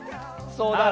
そうだ！